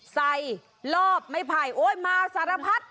ใส่ลอบไม่ไผ่โอ้ยมาสารพัด